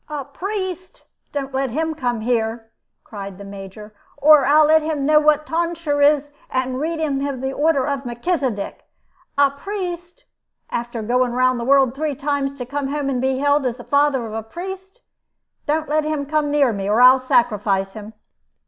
"A priest! Don't let him come here," cried the Major, "or I'll let him know what tonsure is, and read him the order of Melchisedec. A priest! After going round the world three times, to come home and be hailed as the father of a priest! Don't let him come near me, or I'll sacrifice him."